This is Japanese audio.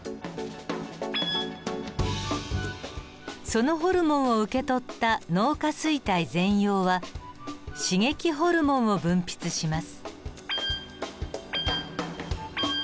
そのホルモンを受け取った脳下垂体前葉は刺激ホルモンを分泌します。